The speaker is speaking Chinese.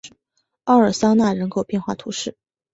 奥尔桑讷人口变化图示